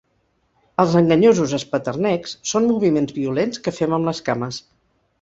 Els enganyosos espeternecs són moviments violents que fem amb les cames.